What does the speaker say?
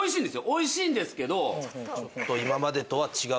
美味しいんですけど。